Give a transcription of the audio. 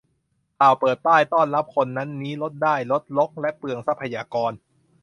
ข่าวเปิดป้าย ต้อนรับคนนั้นนี้ ลดได้ลด รกและเปลืองทรัพยากร